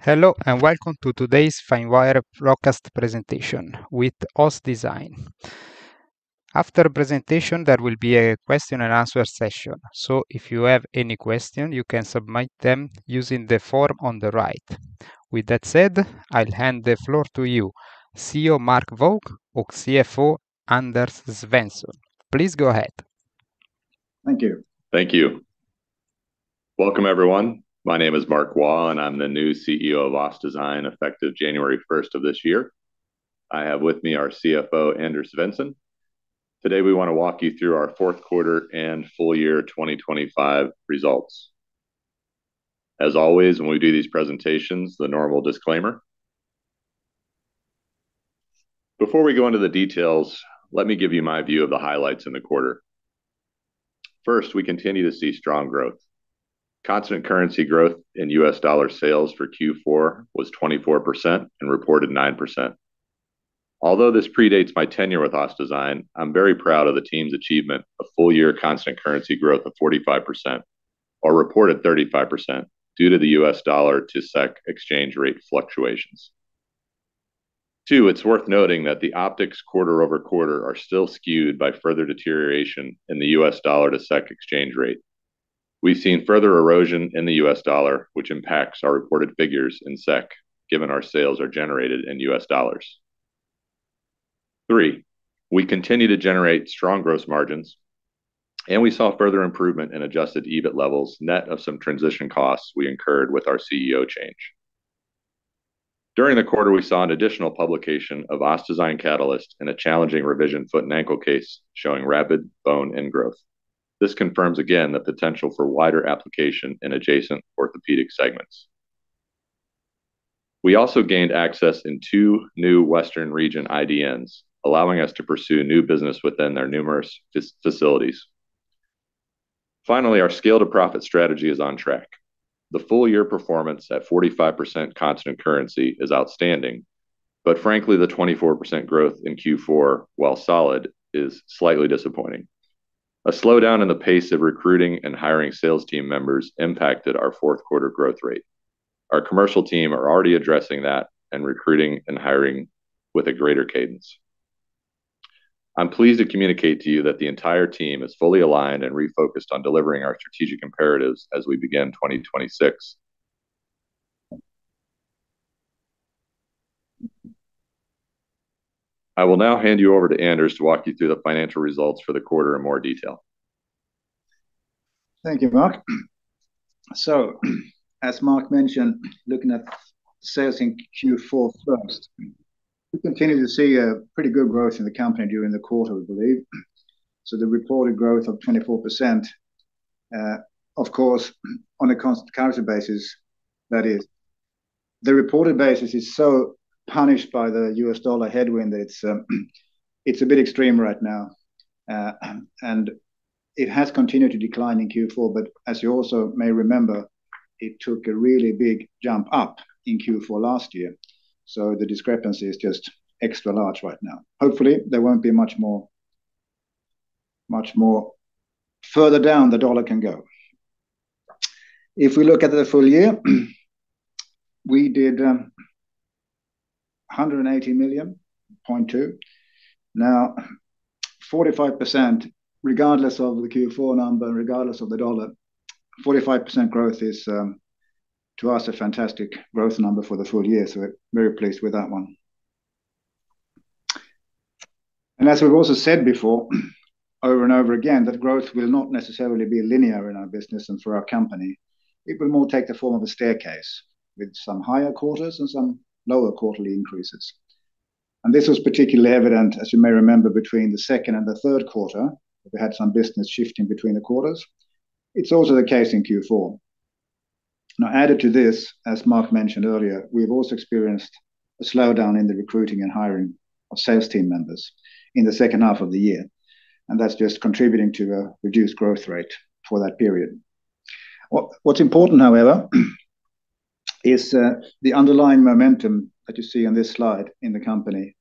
Hello and welcome to today's Finwire broadcast presentation with OssDsign. After the presentation there will be a Q&A session, so if you have any questions you can submit them using the form on the right. With that said, I'll hand the floor to you, CEO Mark Waugh, or CFO Anders Svensson. Please go ahead. Thank you. Thank you. Welcome everyone. My name is Mark Waugh and I'm the new CEO of OssDsign effective January 1st of this year. I have with me our CFO Anders Svensson. Today we want to walk you through our fourth quarter and full year 2025 results. As always when we do these presentations, the normal disclaimer. Before we go into the details, let me give you my view of the highlights in the quarter. First, we continue to see strong growth. Constant currency growth in U.S. dollar sales for Q4 was 24% and reported 9%. Although this predates my tenure with OssDsign, I'm very proud of the team's achievement of full year constant currency growth of 45% or reported 35% due to the U.S. dollar to SEK exchange rate fluctuations. Two, it's worth noting that the optics quarter-over-quarter are still skewed by further deterioration in the U.S. dollar to SEK exchange rate. We've seen further erosion in the U.S. dollar which impacts our reported figures in SEK given our sales are generated in U.S. dollars. Three, we continue to generate strong gross margins and we saw further improvement in adjusted EBIT levels net of some transition costs we incurred with our CEO change. During the quarter we saw an additional publication of OssDsign Catalyst and a challenging revision foot and ankle case showing rapid bone ingrowth. This confirms again the potential for wider application in adjacent orthopedic segments. We also gained access in two new western region IDNs allowing us to pursue new business within their numerous facilities. Finally, our Scale to Profit strategy is on track. The full year performance at 45% constant currency is outstanding, but frankly the 24% growth in Q4 while solid is slightly disappointing. A slowdown in the pace of recruiting and hiring sales team members impacted our fourth quarter growth rate. Our commercial team are already addressing that and recruiting and hiring with a greater cadence. I'm pleased to communicate to you that the entire team is fully aligned and refocused on delivering our strategic imperatives as we begin 2026. I will now hand you over to Anders to walk you through the financial results for the quarter in more detail. Thank you, Mark. So as Mark mentioned, looking at sales in Q4 first, we continue to see a pretty good growth in the company during the quarter, I believe. So the reported growth of 24%, of course on a constant currency basis, that is, the reported basis is so punished by the U.S. dollar headwind that it's a bit extreme right now. And it has continued to decline in Q4, but as you also may remember, it took a really big jump up in Q4 last year. So the discrepancy is just extra large right now. Hopefully there won't be much more further down the dollar can go. If we look at the full year, we did SEK 180.2 million. Now 45%, regardless of the Q4 number and regardless of the dollar, 45% growth is to us a fantastic growth number for the full year. So we're very pleased with that one. And as we've also said before, over and over again, that growth will not necessarily be linear in our business and for our company. It will more take the form of a staircase with some higher quarters and some lower quarterly increases. And this was particularly evident, as you may remember, between the second and the third quarter, we had some business shifting between the quarters. It's also the case in Q4. Now added to this, as Mark mentioned earlier, we've also experienced a slowdown in the recruiting and hiring of sales team members in the second half of the year. And that's just contributing to a reduced growth rate for that period. What's important, however, is the underlying momentum that you see on this slide in the company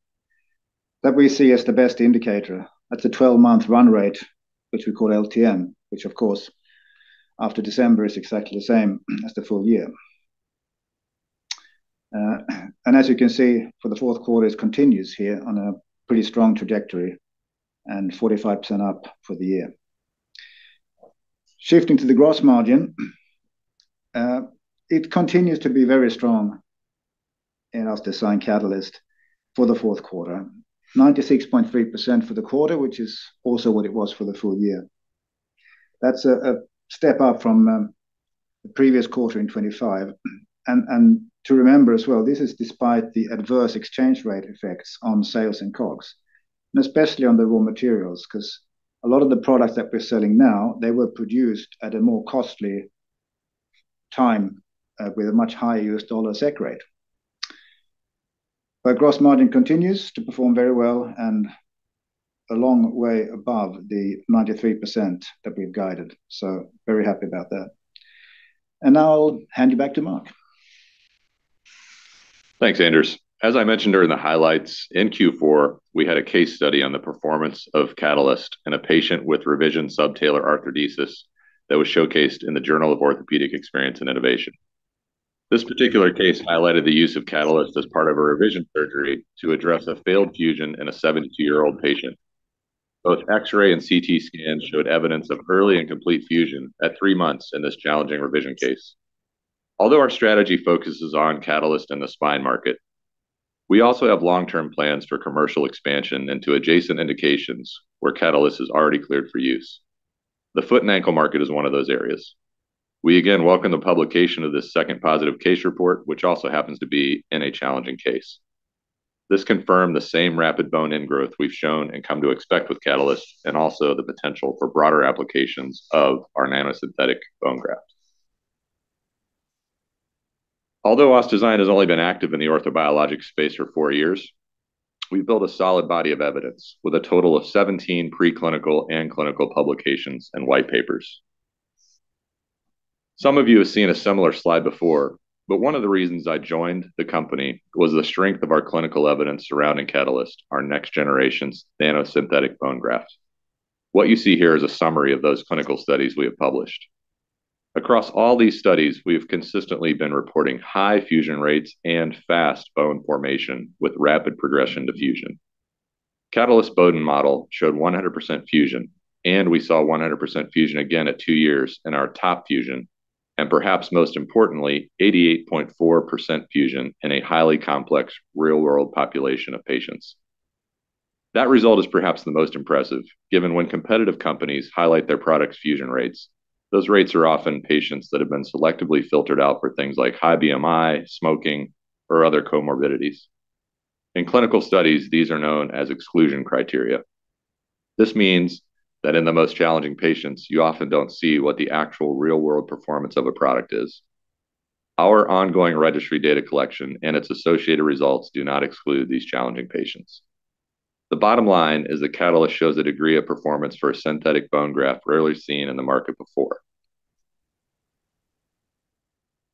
that we see as the best indicator. That's a 12-month run rate, which we call LTM, which of course after December is exactly the same as the full year. As you can see, for the fourth quarter, it continues here on a pretty strong trajectory and 45% up for the year. Shifting to the gross margin, it continues to be very strong in OssDsign Catalyst for the fourth quarter. 96.3% for the quarter, which is also what it was for the full year. That's a step up from the previous quarter in 2025. And to remember as well, this is despite the adverse exchange rate effects on sales and COGS, and especially on the raw materials, because a lot of the products that we're selling now, they were produced at a more costly time with a much higher U.S. dollar SEK rate. But gross margin continues to perform very well and a long way above the 93% that we've guided. So very happy about that. And now I'll hand you back to Mark. Thanks, Anders. As I mentioned during the highlights in Q4, we had a case study on the performance of Catalyst in a patient with revision subtalar arthrodesis that was showcased in the Journal of Orthopaedic Experience & Innovation. This particular case highlighted the use of Catalyst as part of a revision surgery to address a failed fusion in a 72-year-old patient. Both X-ray and CT scans showed evidence of early and complete fusion at three months in this challenging revision case. Although our strategy focuses on Catalyst and the spine market, we also have long-term plans for commercial expansion into adjacent indications where Catalyst is already cleared for use. The foot and ankle market is one of those areas. We again welcome the publication of this second positive case report, which also happens to be in a challenging case. This confirmed the same rapid bone ingrowth we've shown and come to expect with Catalyst and also the potential for broader applications of our nanosynthetic bone grafts. Although OssDsign has only been active in the orthobiologic space for four years, we've built a solid body of evidence with a total of 17 preclinical and clinical publications and white papers. Some of you have seen a similar slide before, but one of the reasons I joined the company was the strength of our clinical evidence surrounding Catalyst, our next generation's nanosynthetic bone grafts. What you see here is a summary of those clinical studies we have published. Across all these studies, we have consistently been reporting high fusion rates and fast bone formation with rapid progression to fusion. Catalyst Boden Model showed 100% fusion, and we saw 100% fusion again at two years in our TOP FUSION, and perhaps most importantly, 88.4% fusion in a highly complex real-world population of patients. That result is perhaps the most impressive given when competitive companies highlight their product's fusion rates, those rates are often patients that have been selectively filtered out for things like high BMI, smoking, or other comorbidities. In clinical studies, these are known as exclusion criteria. This means that in the most challenging patients, you often don't see what the actual real-world performance of a product is. Our ongoing registry data collection and its associated results do not exclude these challenging patients. The bottom line is that Catalyst shows a degree of performance for a synthetic bone graft rarely seen in the market before.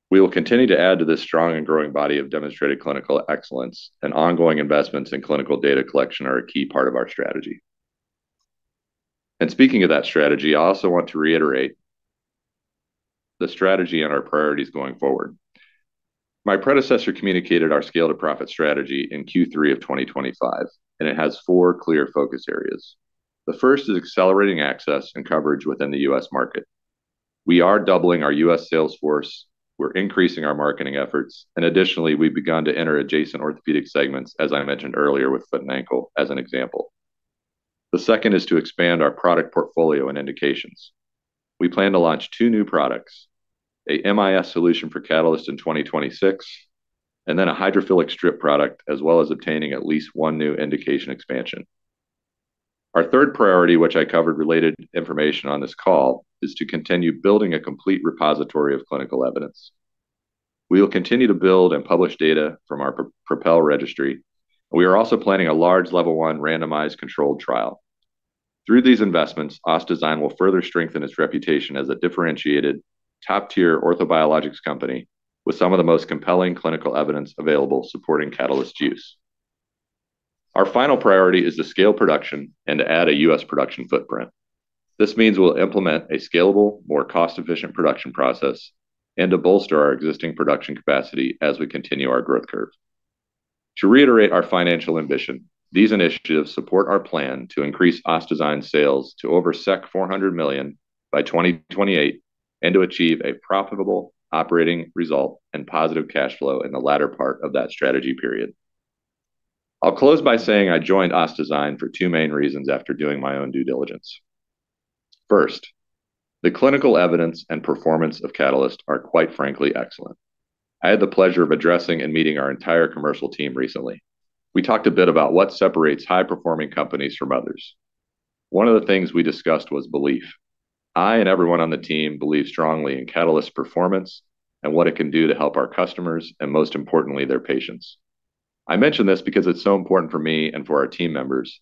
We will continue to add to this strong and growing body of demonstrated clinical excellence, and ongoing investments in clinical data collection are a key part of our strategy. Speaking of that strategy, I also want to reiterate the strategy and our priorities going forward. My predecessor communicated our Scale to Profit strategy in Q3 of 2025, and it has four clear focus areas. The first is accelerating access and coverage within the U.S. market. We are doubling our U.S. sales force. We're increasing our marketing efforts. Additionally, we've begun to enter adjacent orthopedic segments, as I mentioned earlier with foot and ankle as an example. The second is to expand our product portfolio and indications. We plan to launch two new products, a MIS solution for Catalyst in 2026, and then a hydrophilic strip product, as well as obtaining at least one new indication expansion. Our third priority, which I covered related information on this call, is to continue building a complete repository of clinical evidence. We will continue to build and publish data from our PROPEL registry, and we are also planning a large level one randomized controlled trial. Through these investments, OssDsign will further strengthen its reputation as a differentiated top-tier orthobiologics company with some of the most compelling clinical evidence available supporting Catalyst's use. Our final priority is to scale production and to add a U.S. production footprint. This means we'll implement a scalable, more cost-efficient production process and to bolster our existing production capacity as we continue our growth curve. To reiterate our financial ambition, these initiatives support our plan to increase OssDsign's sales to over 400 million by 2028 and to achieve a profitable operating result and positive cash flow in the latter part of that strategy period. I'll close by saying I joined OssDsign for two main reasons after doing my own due diligence. First, the clinical evidence and performance of Catalyst are quite frankly excellent. I had the pleasure of addressing and meeting our entire commercial team recently. We talked a bit about what separates high-performing companies from others. One of the things we discussed was belief. I and everyone on the team believe strongly in Catalyst's performance and what it can do to help our customers and most importantly, their patients. I mentioned this because it's so important for me and for our team members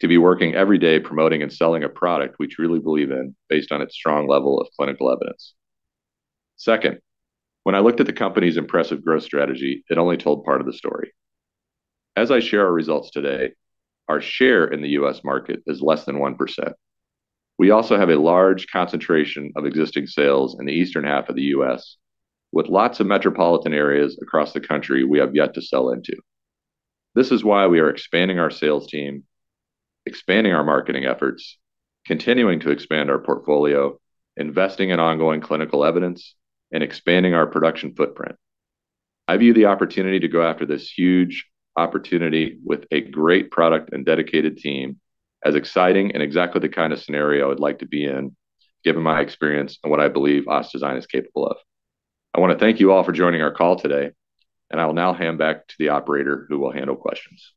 to be working every day promoting and selling a product we truly believe in based on its strong level of clinical evidence. Second, when I looked at the company's impressive growth strategy, it only told part of the story. As I share our results today, our share in the U.S. market is less than 1%. We also have a large concentration of existing sales in the eastern half of the U.S., with lots of metropolitan areas across the country we have yet to sell into. This is why we are expanding our sales team, expanding our marketing efforts, continuing to expand our portfolio, investing in ongoing clinical evidence, and expanding our production footprint. I view the opportunity to go after this huge opportunity with a great product and dedicated team as exciting and exactly the kind of scenario I'd like to be in given my experience and what I believe OssDsign is capable of. I want to thank you all for joining our call today, and I will now hand back to the operator who will handle questions.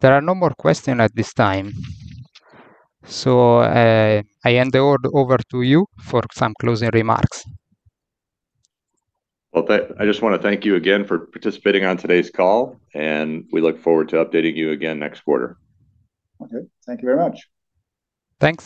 There are no more questions at this time. I hand the order over to you for some closing remarks. Well, I just want to thank you again for participating on today's call, and we look forward to updating you again next quarter. Okay. Thank you very much. Thanks.